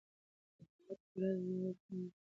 عدالت د دولت له لوري کم و.